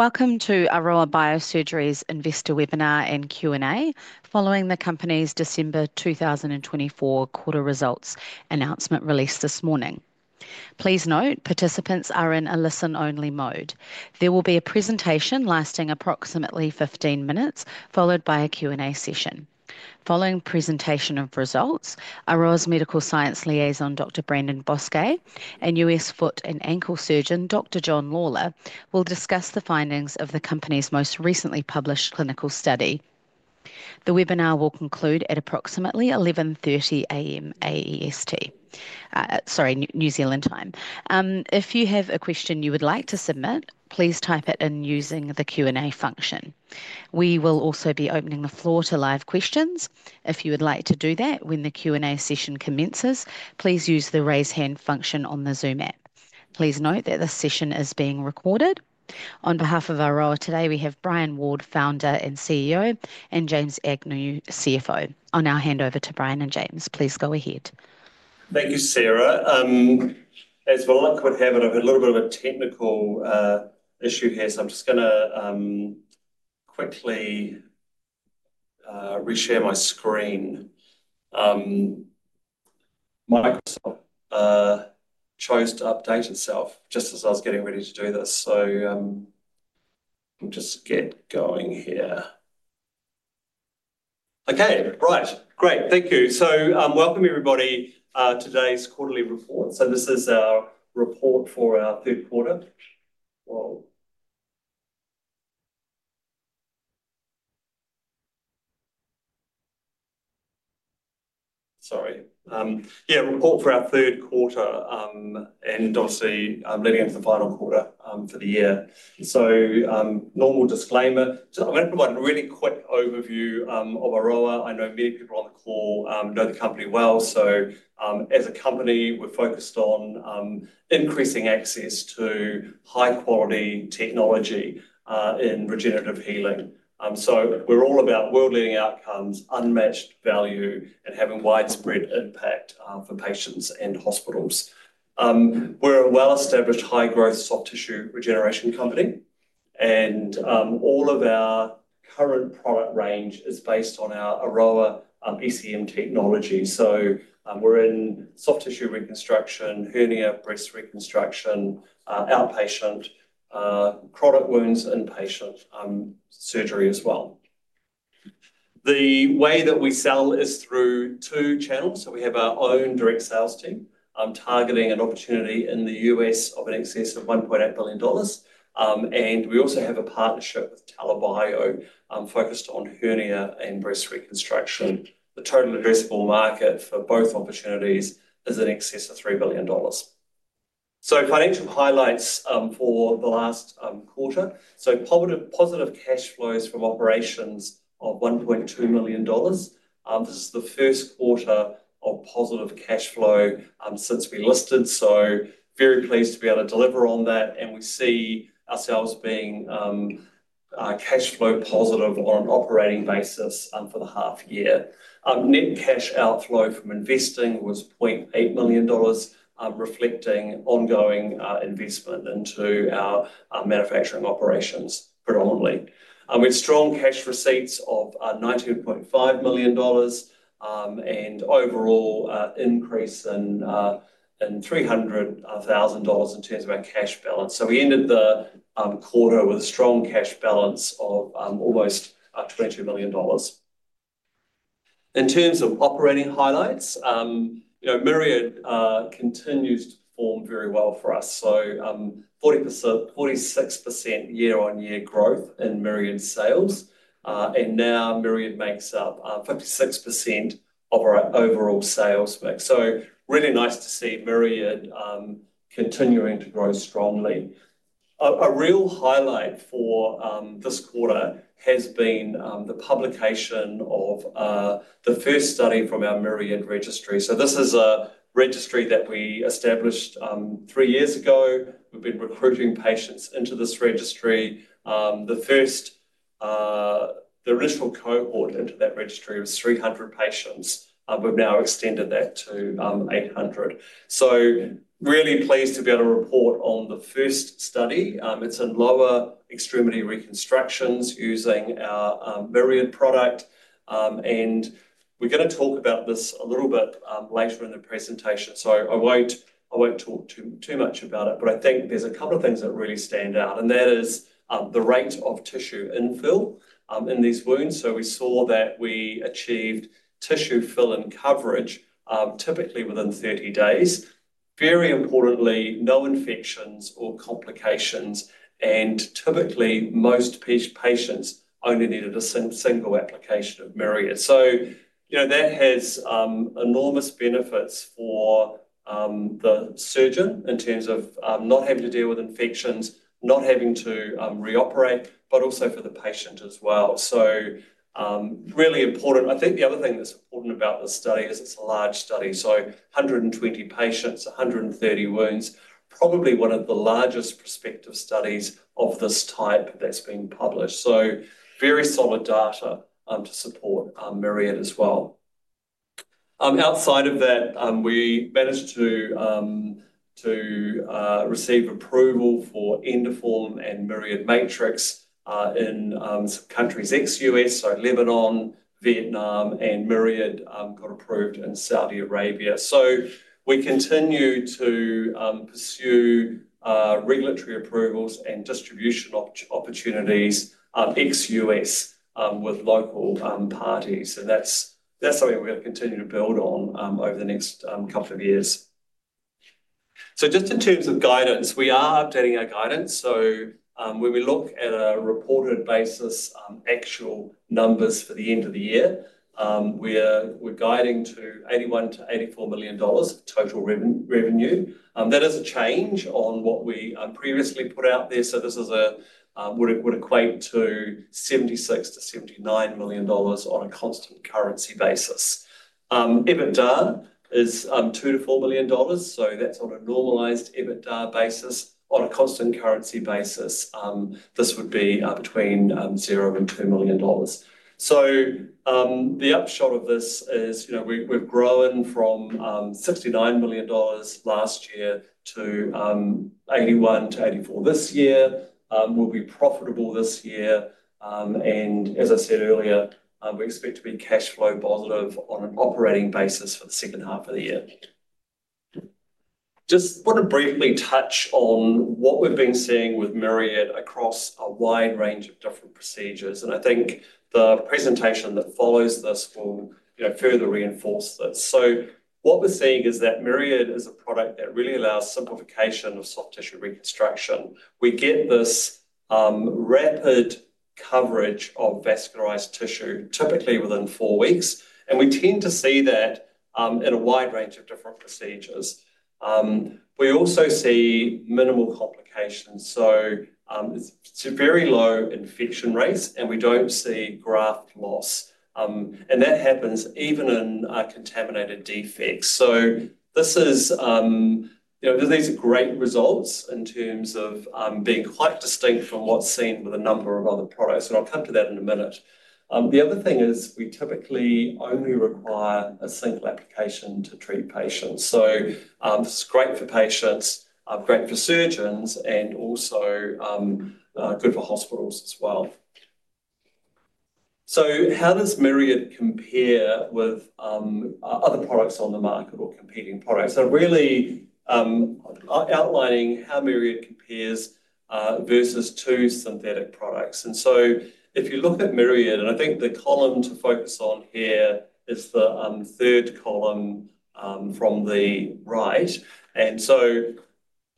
Welcome to Aroa Biosurgery's Investor Webinar and Q&A following the company's December 2024 quarter results announcement released this morning. Please note participants are in a listen-only mode. There will be a presentation lasting approximately 15 minutes, followed by a Q&A session. Following presentation of results, Aroa's Medical Science Liaison, Dr. Brandon Bosque, and US Foot and Ankle Surgeon, Dr. John Lawlor, will discuss the findings of the company's most recently published clinical study. The webinar will conclude at approximately 11:30 AM AEST, sorry, New Zealand time. If you have a question you would like to submit, please type it in using the Q&A function. We will also be opening the floor to live questions. If you would like to do that when the Q&A session commences, please use the raise hand function on the Zoom app. Please note that this session is being recorded. On behalf of Aroa today, we have Brian Ward, Founder and CEO, and James Agnew, CFO. I'll now hand over to Brian and James. Please go ahead. Thank you, Sarah. As luck would have it, I've had a little bit of a technical issue here, so I'm just going to quickly reshare my screen. Microsoft chose to update itself just as I was getting ready to do this, so I'll just get going here. Okay, right, great. Thank you. So welcome, everybody, to today's quarterly report. So this is our report for our Q3, and obviously leading into the final quarter for the year. So normal disclaimer. I'm going to provide a really quick overview of Aroa. I know many people on the call know the company well. So as a company, we're focused on increasing access to high-quality technology in regenerative healing. So we're all about world-leading outcomes, unmatched value, and having widespread impact for patients and hospitals. We're a well-established, high-growth soft tissue regeneration company, and all of our current product range is based on our Aroa ECM technology. So we're in soft tissue reconstruction, hernia, breast reconstruction, outpatient, chronic wounds, inpatient surgery as well. The way that we sell is through two channels. So we have our own direct sales team targeting an opportunity in the US of an excess of $1.8 billion. And we also have a partnership with TELA Bio focused on hernia and breast reconstruction. The total addressable market for both opportunities is an excess of $3 billion. So financial highlights for the last quarter. So positive cash flows from operations of $1.2 million. This is the Q1 of positive cash flow since we listed, so very pleased to be able to deliver on that. And we see ourselves being cash flow positive on an operating basis for the half year. Net cash outflow from investing was 0.8 million dollars, reflecting ongoing investment into our manufacturing operations predominantly. We had strong cash receipts of 19.5 million dollars and overall increase in 300,000 dollars in terms of our cash balance. So we ended the quarter with a strong cash balance of almost 22 million dollars. In terms of operating highlights, Myriad continues to perform very well for us. So 46% year-on-year growth in Myriad sales, and now Myriad makes up 56% of our overall sales mix. So really nice to see Myriad continuing to grow strongly. A real highlight for this quarter has been the publication of the first study from our Myriad registry. So this is a registry that we established three years ago. We've been recruiting patients into this registry. The initial cohort into that registry was 300 patients. We've now extended that to 800. am really pleased to be able to report on the first study. It's in lower extremity reconstructions using our Myriad product. We're going to talk about this a little bit later in the presentation, so I won't talk too much about it. I think there's a couple of things that really stand out, and that is the rate of tissue infill in these wounds. We saw that we achieved tissue fill and coverage typically within 30 days. Very importantly, no infections or complications. Typically, most patients only needed a single application of Myriad. That has enormous benefits for the surgeon in terms of not having to deal with infections, not having to re-operate, but also for the patient as well. That's really important. I think the other thing that's important about this study is it's a large study. 120 patients, 130 wounds, probably one of the largest prospective studies of this type that's been published. Very solid data to support Myriad as well. Outside of that, we managed to receive approval for Endoform and Myriad Matrix in countries ex-US. Lebanon, Vietnam, and Myriad got approved in Saudi Arabia. We continue to pursue regulatory approvals and distribution opportunities ex-US with local parties. That's something we're going to continue to build on over the next couple of years. Just in terms of guidance, we are updating our guidance. When we look at a reported basis, actual numbers for the end of the year, we're guiding to 81-84 million dollars total revenue. That is a change on what we previously put out there. This would equate to 76-79 million dollars on a constant currency basis. EBITDA is 2-4 million dollars. So that's on a normalized EBITDA basis. On a constant currency basis, this would be between 0-2 million dollars. So the upshot of this is we've grown from 69 million dollars last year to 81-84 million this year. We'll be profitable this year. And as I said earlier, we expect to be cash flow positive on an operating basis for the second half of the year. Just want to briefly touch on what we've been seeing with Myriad across a wide range of different procedures. And I think the presentation that follows this will further reinforce this. So what we're seeing is that Myriad is a product that really allows simplification of soft tissue reconstruction. We get this rapid coverage of vascularized tissue, typically within four weeks. And we tend to see that in a wide range of different procedures. We also see minimal complications. It's a very low infection rate, and we don't see graft loss. That happens even in contaminated defects. These are great results in terms of being quite distinct from what's seen with a number of other products. I'll come to that in a minute. The other thing is we typically only require a single application to treat patients. It's great for patients, great for surgeons, and also good for hospitals as well. How does Myriad compare with other products on the market or competing products? Really outlining how Myriad compares versus two synthetic products. If you look at Myriad, I think the column to focus on here is the third column from the right.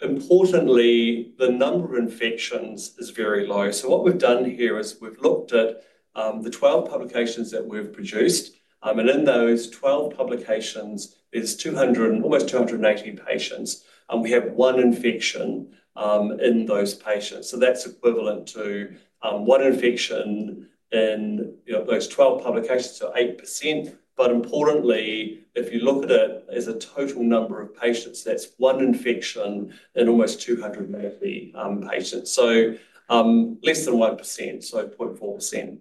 Importantly, the number of infections is very low. What we've done here is we've looked at the 12 publications that we've produced. In those 12 publications, there are almost 280 patients. We have one infection in those patients. That is equivalent to one infection in those 12 publications, so 8%. But importantly, if you look at it as a total number of patients, that is one infection in almost 280 patients. So less than 1%, so 0.4%.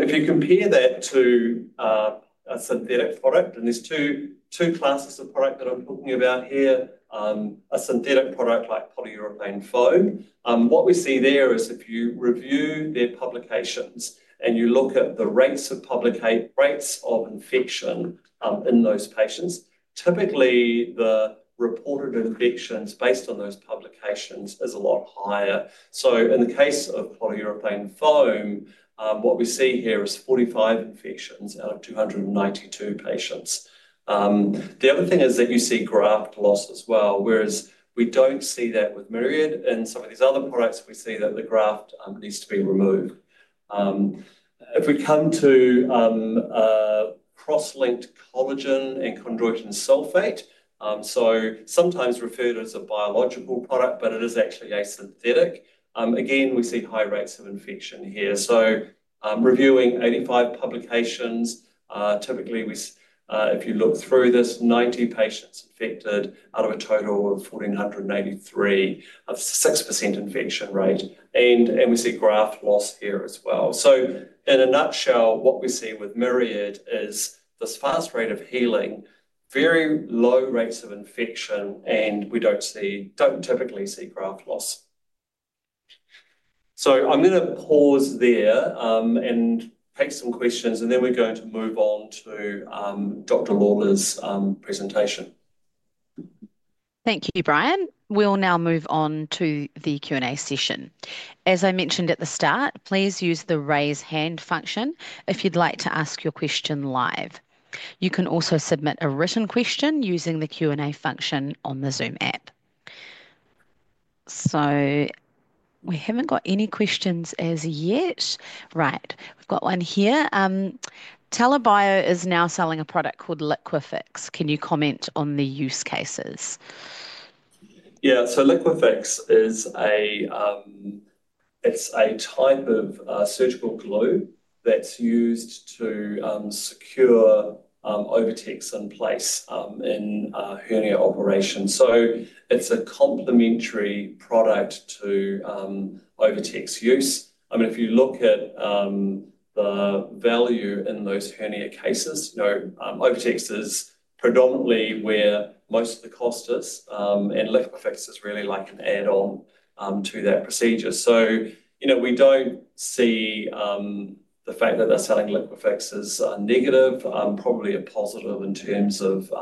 If you compare that to a synthetic product, and there are two classes of product that I am talking about here, a synthetic product like polyurethane foam. What we see there is if you review their publications and you look at the rates of infection in those patients, typically the reported infections based on those publications are a lot higher. So in the case of polyurethane foam, what we see here is 45 infections out of 292 patients. The other thing is that you see graft loss as well, whereas we do not see that with Myriad. In some of these other products, we see that the graft needs to be removed. If we come to cross-linked collagen and chondroitin sulfate, so sometimes referred to as a biological product, but it is actually a synthetic. Again, we see high rates of infection here. So reviewing 85 publications, typically, if you look through this, 90 patients infected out of a total of 1,483 have a 6% infection rate. And we see graft loss here as well. So in a nutshell, what we see with Myriad is this fast rate of healing, very low rates of infection, and we don't typically see graft loss. So I'm going to pause there and take some questions, and then we're going to move on to Dr. Lawlor's presentation. Thank you, Brian. We'll now move on to the Q&A session. As I mentioned at the start, please use the raise hand function if you'd like to ask your question live. You can also submit a written question using the Q&A function on the Zoom app. So we haven't got any questions as yet. Right. We've got one here. TELA Bio is now selling a product called LiquiFix. Can you comment on the use cases? Yeah. So LiquiFix is a type of surgical glue that's used to secure OviTex in place in hernia operations. So it's a complementary product to OviTex use. I mean, if you look at the value in those hernia cases, OviTex is predominantly where most of the cost is, and LiquiFix is really like an add-on to that procedure. So we don't see the fact that they're selling Liquifix as negative, probably a positive in terms of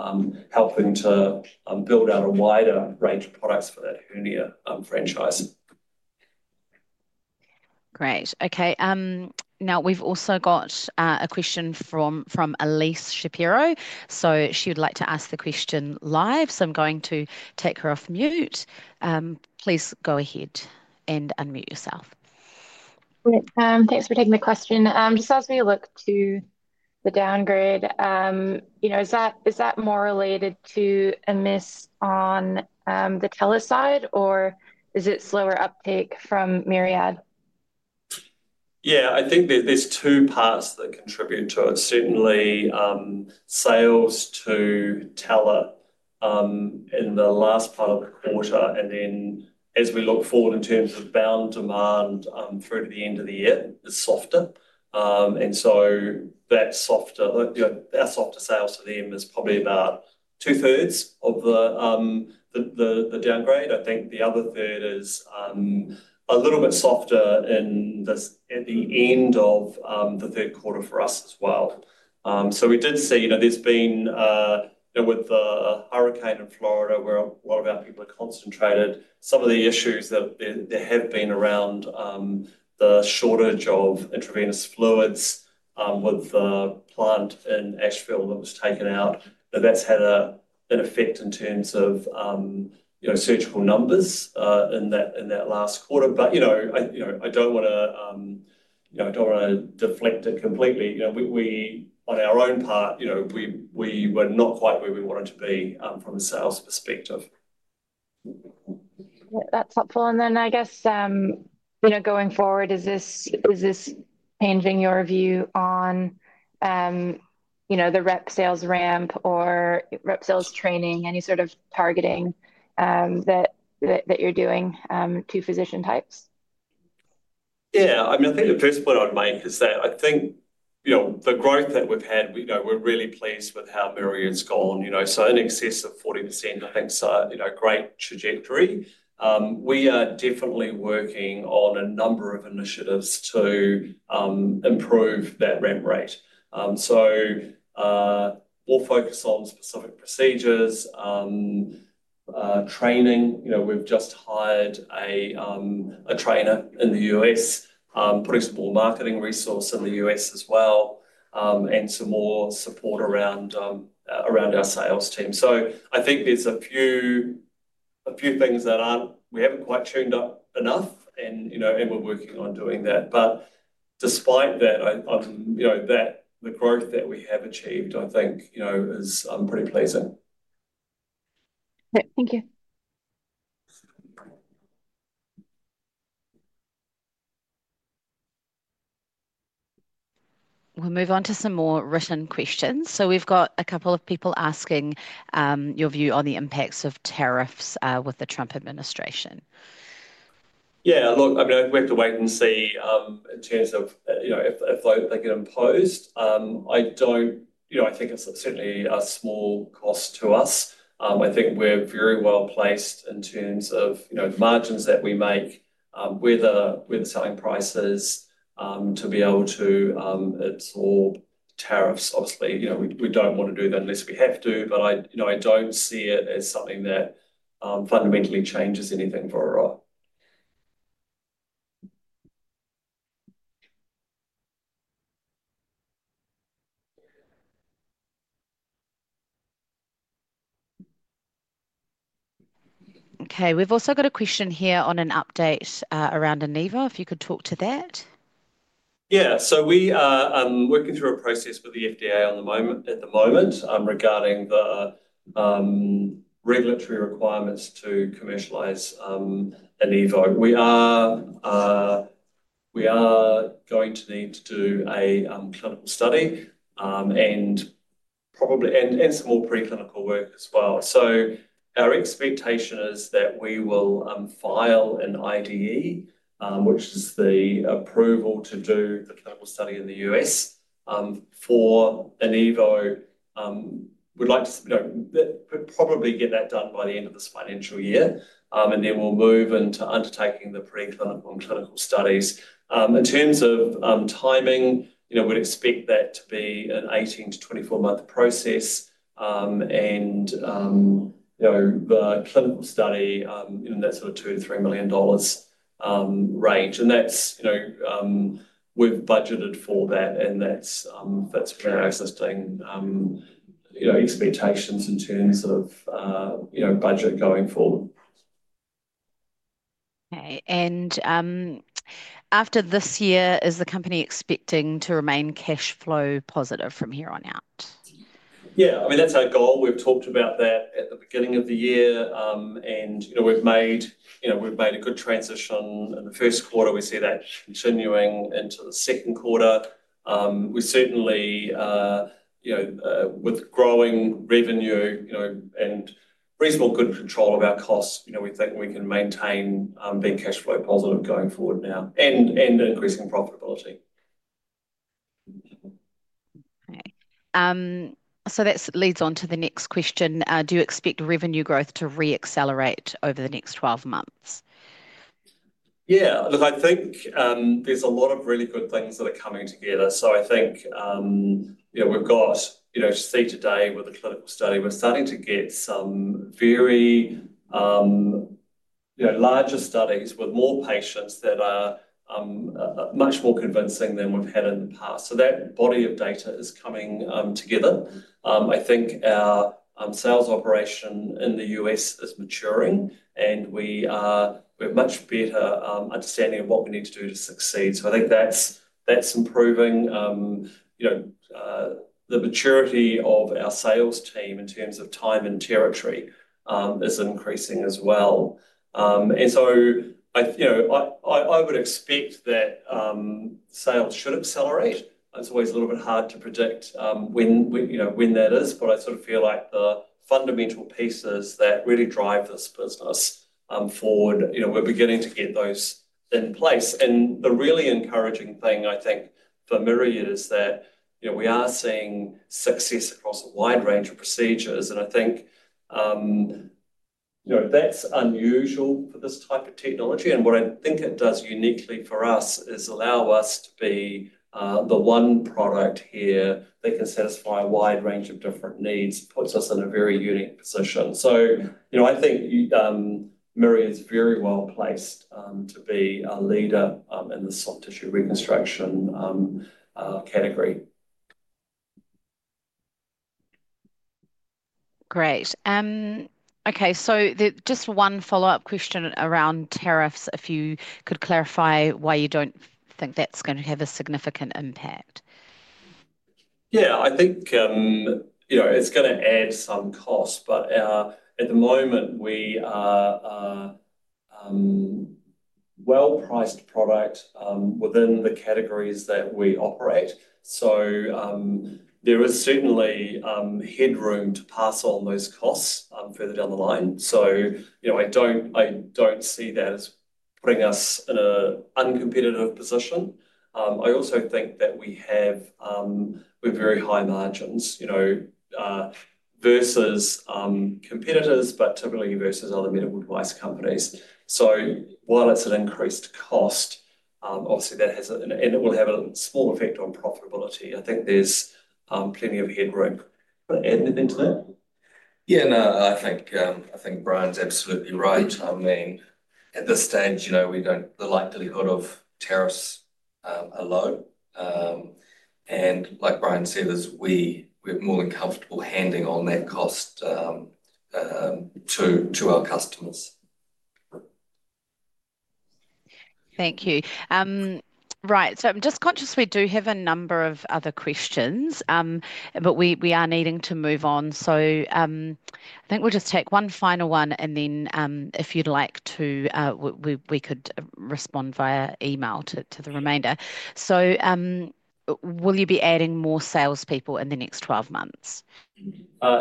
helping to build out a wider range of products for that hernia franchise. Great. Okay. Now, we've also got a question from Elyse Shapiro. So she would like to ask the question live. So I'm going to take her off mute. Please go ahead and unmute yourself. Thanks for taking the question. Just as we look to the downgrade, is that more related to a miss on the TELA side, or is it slower uptake from Myriad? Yeah, I think there's two parts that contribute to it. Certainly, sales to TELA in the last part of the quarter, and then as we look forward in terms of our demand through to the end of the year, it's softer. And so that, our softer sales to them is probably about two-thirds of the downgrade. I think the other third is a little bit softer at the end of the Q3 for us as well. So we did see there's been with the hurricane in Florida, where a lot of our people are concentrated, some of the issues that there have been around the shortage of intravenous fluids with the plant in Asheville that was taken out. That's had an effect in terms of surgical numbers in that last quarter. But I don't want to deflect it completely. On our own part, we were not quite where we wanted to be from a sales perspective. That's helpful, and then I guess going forward, is this changing your view on the rep sales ramp or rep sales training, any sort of targeting that you're doing to physician types? Yeah. I mean, I think the first point I'd make is that I think the growth that we've had, we're really pleased with how Myriad's gone. So in excess of 40%, I think it's a great trajectory. We are definitely working on a number of initiatives to improve that ramp rate. So we'll focus on specific procedures, training. We've just hired a trainer in the US, put in some more marketing resources in the US as well, and some more support around our sales team. So I think there's a few things that we haven't quite tuned up enough, and we're working on doing that. But despite that, the growth that we have achieved, I think, is pretty pleasing. Thank you. We'll move on to some more written questions. So we've got a couple of people asking your view on the impacts of tariffs with the Trump administration. Yeah. Look, I mean, we have to wait and see in terms of if they get imposed. I think it's certainly a small cost to us. I think we're very well placed in terms of the margins that we make, where the selling price is, to be able to absorb tariffs. Obviously, we don't want to do that unless we have to. But I don't see it as something that fundamentally changes anything for Aroa. Okay. We've also got a question here on an update around Enivo, if you could talk to that. Yeah. So we are working through a process with the FDA at the moment regarding the regulatory requirements to commercialize Enivo. We are going to need to do a clinical study and some more preclinical work as well. Our expectation is that we will file an IDE, which is the approval to do the clinical study in the US for Enivo. We'd like to probably get that done by the end of this financial year, and then we'll move into undertaking the preclinical and clinical studies. In terms of timing, we'd expect that to be an 18 to 24 month process. And the clinical study in that sort of $2 to 3 million range. And that's we've budgeted for that, and that's for our existing expectations in terms of budget going forward. Okay, and after this year, is the company expecting to remain cash flow positive from here on out? Yeah. I mean, that's our goal. We've talked about that at the beginning of the year, and we've made a good transition. In the Q1, we see that continuing into the Q2. We certainly, with growing revenue and reasonable good control of our costs, we think we can maintain being cash flow positive going forward now and increasing profitability. Okay. So that leads on to the next question. Do you expect revenue growth to re-accelerate over the next 12 months? Yeah. Look, I think there's a lot of really good things that are coming together. So I think we've got to see today with the clinical study. We're starting to get some very large studies with more patients that are much more convincing than we've had in the past. So that body of data is coming together. I think our sales operation in the US is maturing, and we have much better understanding of what we need to do to succeed. So I think that's improving. The maturity of our sales team in terms of time and territory is increasing as well. And so I would expect that sales should accelerate. It's always a little bit hard to predict when that is. But I sort of feel like the fundamental pieces that really drive this business forward, we're beginning to get those in place. And the really encouraging thing, I think, for Myriad is that we are seeing success across a wide range of procedures. And I think that's unusual for this type of technology. And what I think it does uniquely for us is allow us to be the one product here that can satisfy a wide range of different needs, puts us in a very unique position. So I think Myriad's very well placed to be a leader in the soft tissue reconstruction category. Great. Okay. So just one follow-up question around tariffs. If you could clarify why you don't think that's going to have a significant impact? Yeah. I think it's going to add some cost. But at the moment, we are a well-priced product within the categories that we operate. So there is certainly headroom to pass on those costs further down the line. So I don't see that as putting us in an uncompetitive position. I also think that we have very high margins versus competitors, but typically versus other medical device companies. So while it's an increased cost, obviously, that has, and it will have, a small effect on profitability. I think there's plenty of headroom. Can I add anything to that? Yeah. No, I think Brian's absolutely right. I mean, at this stage, we don't see the likelihood of tariffs alone. And like Brian said, we're more than comfortable passing on that cost to our customers. Thank you. Right. So I'm just conscious we do have a number of other questions, but we are needing to move on. So I think we'll just take one final one, and then if you'd like to, we could respond via email to the remainder. So will you be adding more salespeople in the next 12 months?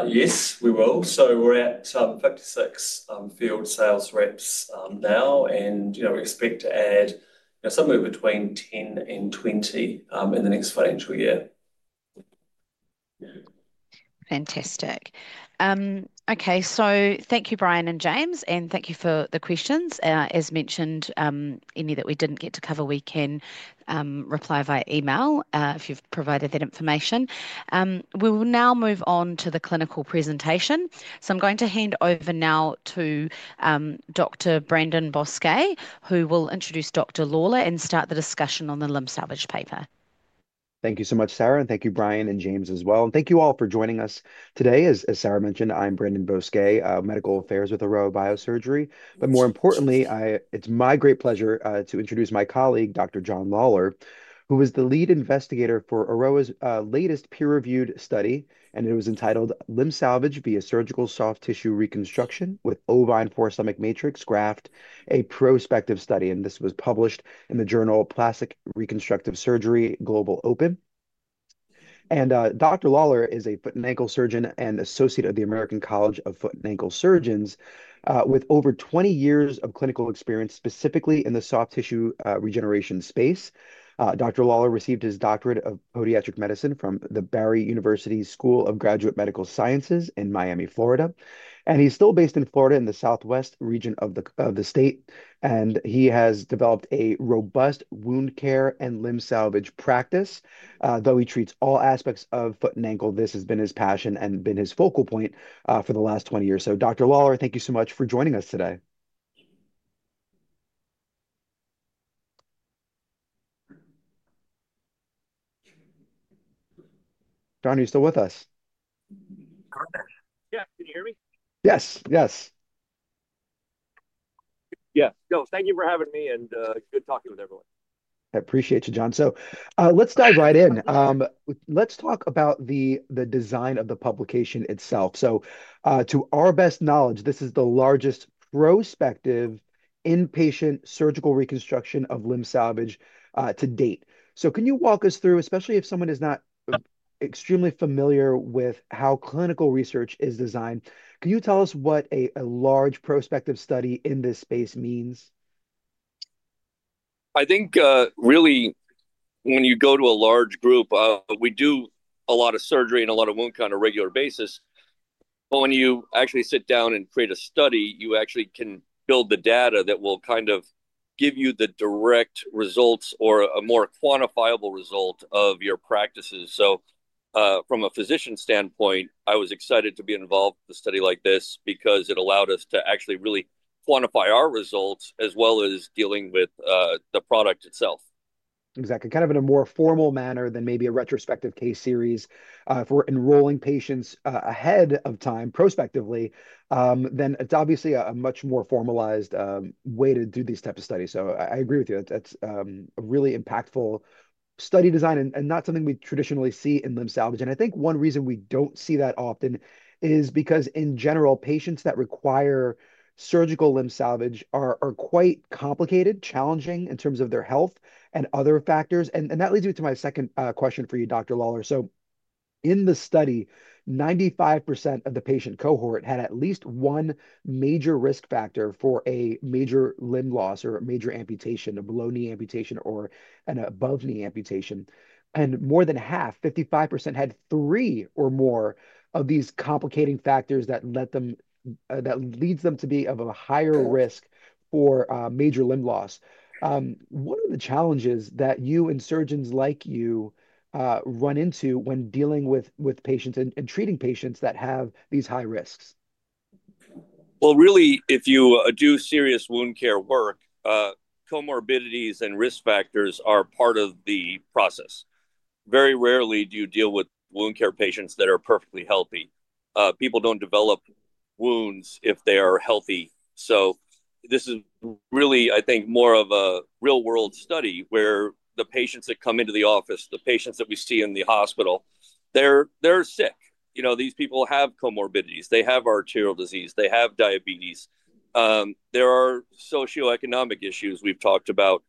Yes, we will. So we're at 56 field sales reps now, and we expect to add somewhere between 10 and 20 in the next financial year. Fantastic. Okay. So thank you, Brian and James, and thank you for the questions. As mentioned, any that we didn't get to cover, we can reply via email if you've provided that information. We will now move on to the clinical presentation. So I'm going to hand over now to Dr. Brandon Bosque, who will introduce Dr. Lawlor and start the discussion on the Limb Salvage paper. Thank you so much, Sarah, and thank you, Brian and James as well. Thank you all for joining us today. As Sarah mentioned, I'm Brandon Bosque, medical affairs with Aroa Biosurgery. But more importantly, it's my great pleasure to introduce my colleague, Dr. John Lawlor, who is the lead investigator for Aroa's latest peer-reviewed study, and it was entitled, "Limb Salvage via Surgical Soft Tissue Reconstruction with Ovine Forestomach Matrix Graft, a Prospective Study." This was published in the journal Plastic and Reconstructive Surgery Global Open. Dr. Lawlor is a foot and ankle surgeon and associate of the American College of Foot and Ankle Surgeons with over 20 years of clinical experience specifically in the soft tissue regeneration space. Dr. Lawlor received his doctorate of podiatric medicine from the Barry University School of Graduate Medical Sciences in Miami, Florida. He’s still based in Florida in the southwest region of the state. He has developed a robust wound care and limb salvage practice. Though he treats all aspects of foot and ankle, this has been his passion and been his focal point for the last 20 years. Dr. Lawlor, thank you so much for joining us today. John, are you still with us? Yeah. Can you hear me? Yes. Yes. Yeah. thank you for having me and good talking with everyone. I appreciate you, John. So let's dive right in. Let's talk about the design of the publication itself. So to our best knowledge, this is the largest prospective inpatient surgical reconstruction of limb salvage to date. So can you walk us through, especially if someone is not extremely familiar with how clinical research is designed, can you tell us what a large prospective study in this space means? I think really, when you go to a large group, we do a lot of surgery and a lot of wound care on a regular basis. But when you actually sit down and create a study, you actually can build the data that will kind of give you the direct results or a more quantifiable result of your practices. So from a physician standpoint, I was excited to be involved with a study like this because it allowed us to actually really quantify our results as well as dealing with the product itself. Exactly. Kind of in a more formal manner than maybe a retrospective case series. If we're enrolling patients ahead of time prospectively, then it's obviously a much more formalized way to do these types of studies. So I agree with you. That's a really impactful study design and not something we traditionally see in limb salvage. And I think one reason we don't see that often is because, in general, patients that require surgical limb salvage are quite complicated, challenging in terms of their health and other factors. And that leads me to my second question for you, Dr. Lawlor. So in the study, 95% of the patient cohort had at least one major risk factor for a major limb loss or a major amputation, a below-knee amputation or an above-knee amputation. And more than half, 55%, had three or more of these complicating factors that lead them to be of a higher risk for major limb loss. What are the challenges that you and surgeons like you run into when dealing with patients and treating patients that have these high risks? Really, if you do serious wound care work, comorbidities and risk factors are part of the process. Very rarely do you deal with wound care patients that are perfectly healthy. People don't develop wounds if they are healthy. This is really, I think, more of a real-world study where the patients that come into the office, the patients that we see in the hospital, they're sick. These people have comorbidities. They have arterial disease. They have diabetes. There are socioeconomic issues we've talked about.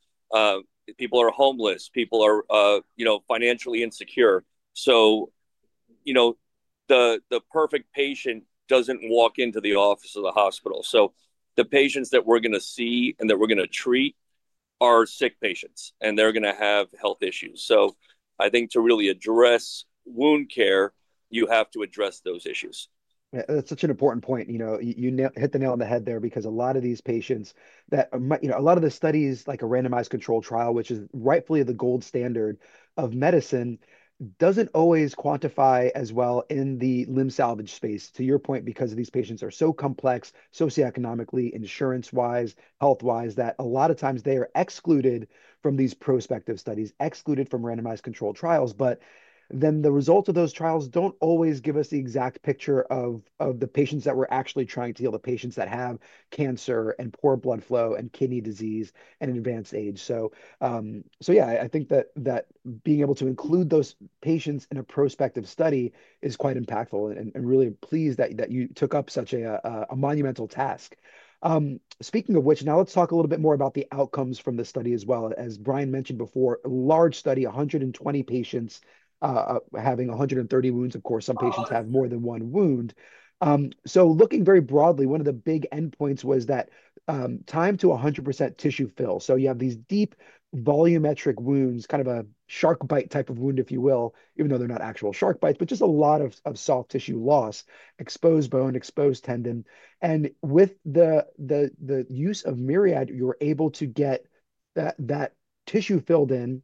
People are homeless. People are financially insecure. The perfect patient doesn't walk into the office of the hospital. The patients that we're going to see and that we're going to treat are sick patients, and they're going to have health issues. I think to really address wound care, you have to address those issues. Yeah. That's such an important point. You hit the nail on the head there because a lot of these patients that a lot of the studies, like a randomized control trial, which is rightfully the gold standard of medicine, doesn't always quantify as well in the limb salvage space, to your point, because these patients are so complex socioeconomically, insurance-wise, health-wise, that a lot of times they are excluded from these prospective studies, excluded from randomized control trials, but then the results of those trials don't always give us the exact picture of the patients that we're actually trying to heal, the patients that have cancer and poor blood flow and kidney disease and advanced age, so yeah, I think that being able to include those patients in a prospective study is quite impactful, and really pleased that you took up such a monumental task. Speaking of which, now let's talk a little bit more about the outcomes from the study as well. As Brian mentioned before, a large study, 120 patients having 130 wounds. Of course, some patients have more than one wound. So looking very broadly, one of the big endpoints was that time to 100% tissue fill. So you have these deep volumetric wounds, kind of a shark bite type of wound, if you will, even though they're not actual shark bites, but just a lot of soft tissue loss, exposed bone, exposed tendon. And with the use of Myriad, you're able to get that tissue filled in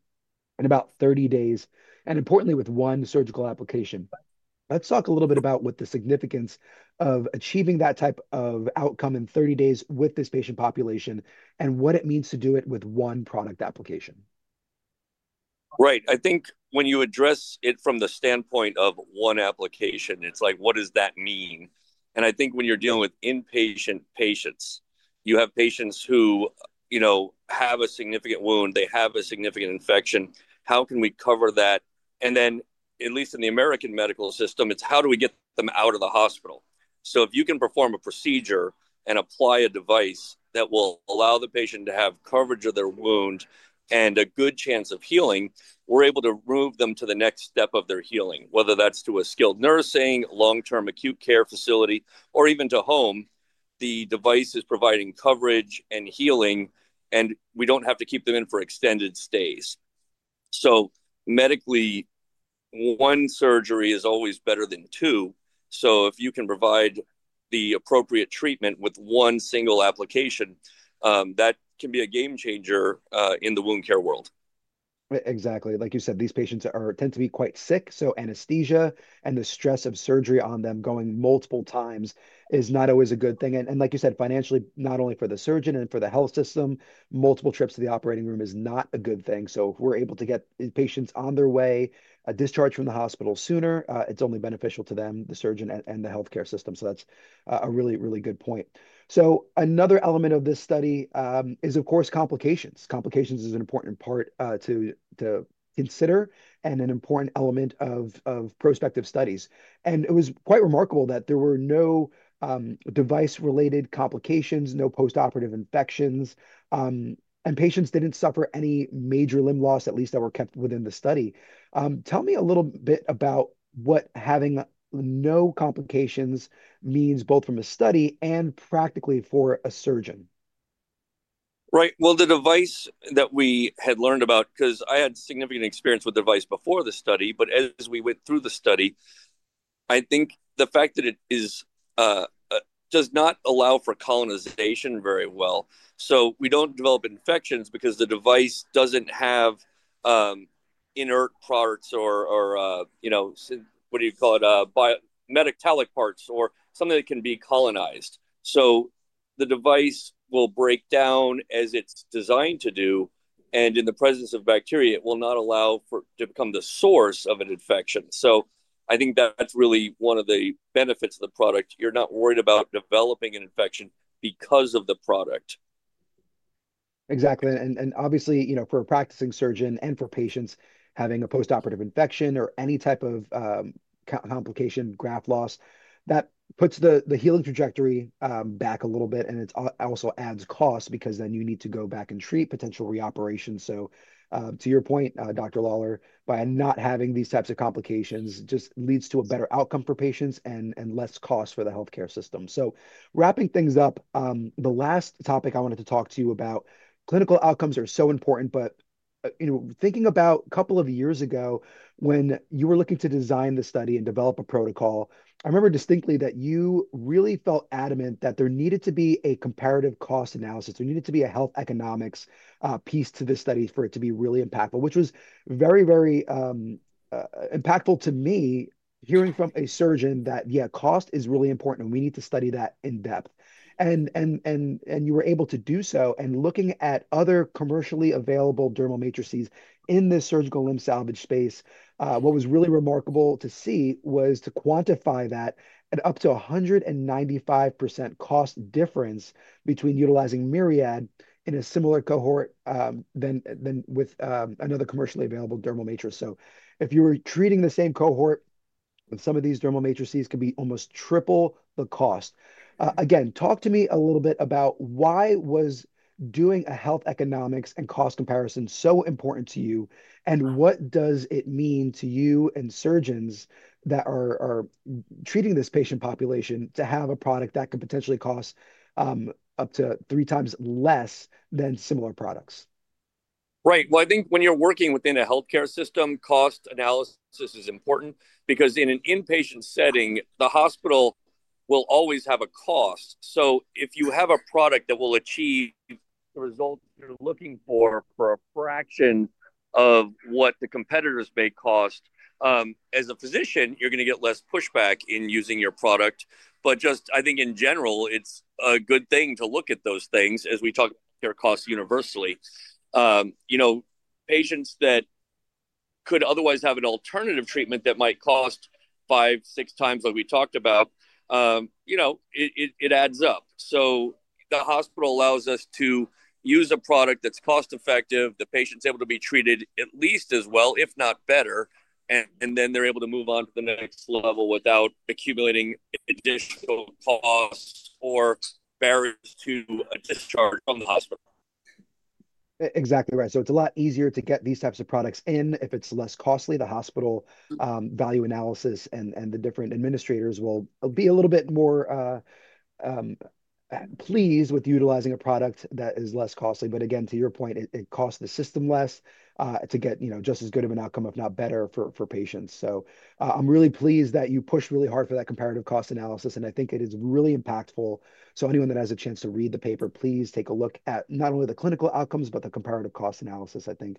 in about 30 days, and importantly, with one surgical application. Let's talk a little bit about what the significance of achieving that type of outcome in 30 days with this patient population and what it means to do it with one product application. Right. I think when you address it from the standpoint of one application, it's like, what does that mean? And I think when you're dealing with inpatient patients, you have patients who have a significant wound. They have a significant infection. How can we cover that? And then, at least in the American medical system, it's how do we get them out of the hospital? So if you can perform a procedure and apply a device that will allow the patient to have coverage of their wound and a good chance of healing, we're able to move them to the next step of their healing, whether that's to a skilled nursing, long-term acute care facility, or even to home. The device is providing coverage and healing, and we don't have to keep them in for extended stays. So medically, one surgery is always better than two. So if you can provide the appropriate treatment with one single application, that can be a game changer in the wound care world. Exactly. Like you said, these patients tend to be quite sick. So anesthesia and the stress of surgery on them going multiple times is not always a good thing. And like you said, financially, not only for the surgeon and for the health system, multiple trips to the operating room is not a good thing. So if we're able to get patients on their way, discharge from the hospital sooner, it's only beneficial to them, the surgeon and the healthcare system. So that's a really, really good point. So another element of this study is, of course, complications. Complications is an important part to consider and an important element of prospective studies. And it was quite remarkable that there were no device-related complications, no postoperative infections, and patients didn't suffer any major limb loss, at least that were kept within the study. Tell me a little bit about what having no complications means both from a study and practically for a surgeon? Right. Well, the device that we had learned about, because I had significant experience with the device before the study, but as we went through the study, I think the fact that it does not allow for colonization very well. So we don't develop infections because the device doesn't have inert parts or what do you call it, metallic parts or something that can be colonized. So the device will break down as it's designed to do, and in the presence of bacteria, it will not allow for it to become the source of an infection. So I think that's really one of the benefits of the product. You're not worried about developing an infection because of the product. Exactly. And obviously, for a practicing surgeon and for patients having a postoperative infection or any type of complication, graft loss, that puts the healing trajectory back a little bit, and it also adds costs because then you need to go back and treat potential reoperations. So to your point, Dr. Lawlor, by not having these types of complications just leads to a better outcome for patients and less cost for the healthcare system. So wrapping things up, the last topic I wanted to talk to you about, clinical outcomes are so important, but thinking about a couple of years ago when you were looking to design the study and develop a protocol, I remember distinctly that you really felt adamant that there needed to be a comparative cost analysis. There needed to be a health economics piece to this study for it to be really impactful, which was very, very impactful to me hearing from a surgeon that, yeah, cost is really important, and we need to study that in depth. And you were able to do so. And looking at other commercially available dermal matrices in the surgical limb salvage space, what was really remarkable to see was to quantify that at up to 195% cost difference between utilizing Myriad in a similar cohort than with another commercially available dermal matrix. So if you were treating the same cohort, some of these dermal matrices could be almost triple the cost. Again, talk to me a little bit about why was doing a health economics and cost comparison so important to you, and what does it mean to you and surgeons that are treating this patient population to have a product that could potentially cost up to three times less than similar products? Right. Well, I think when you're working within a healthcare system, cost analysis is important because in an inpatient setting, the hospital will always have a cost. So if you have a product that will achieve the result you're looking for for a fraction of what the competitors may cost, as a physician, you're going to get less pushback in using your product. But just I think in general, it's a good thing to look at those things as we talk about their costs universally. Patients that could otherwise have an alternative treatment that might cost five, six times what we talked about, it adds up. So the hospital allows us to use a product that's cost-effective. The patient's able to be treated at least as well, if not better, and then they're able to move on to the next level without accumulating additional costs or barriers to a discharge from the hospital. Exactly right. So it's a lot easier to get these types of products in. If it's less costly, the hospital value analysis and the different administrators will be a little bit more pleased with utilizing a product that is less costly. But again, to your point, it costs the system less to get just as good of an outcome, if not better, for patients. So I'm really pleased that you pushed really hard for that comparative cost analysis, and I think it is really impactful. So anyone that has a chance to read the paper, please take a look at not only the clinical outcomes, but the comparative cost analysis. I think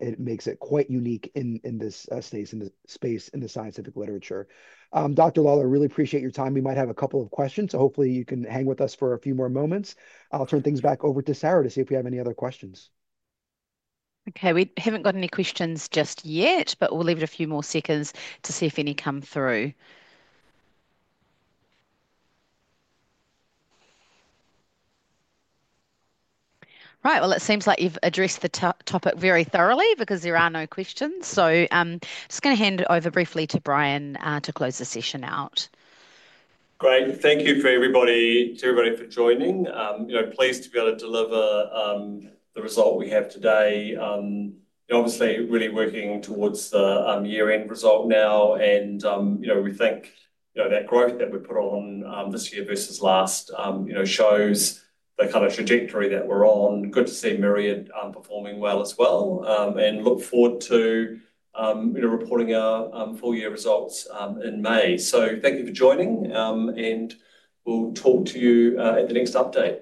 it makes it quite unique in this space in the scientific literature. Dr. Lawlor, I really appreciate your time. We might have a couple of questions, so hopefully you can hang with us for a few more moments. I'll turn things back over to Sarah to see if we have any other questions. Okay. We haven't got any questions just yet, but we'll leave it a few more seconds to see if any come through. Right. Well, it seems like you've addressed the topic very thoroughly because there are no questions. So I'm just going to hand it over briefly to Brian to close the session out. Great. Thank you, everybody, for joining. Pleased to be able to deliver the result we have today. Obviously, really working towards the year-end result now, and we think that growth that we put on this year versus last shows the kind of trajectory that we're on. Good to see Myriad performing well as well, and look forward to reporting our full-year results in May, so thank you for joining, and we'll talk to you at the next update.